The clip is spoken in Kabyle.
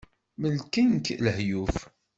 Melken-k lehyuf.